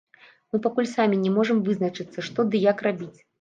Мы пакуль самі не можам вызначыцца што ды як рабіць.